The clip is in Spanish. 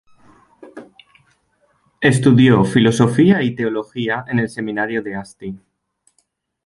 Estudió filosofía y teología en el seminario de Asti.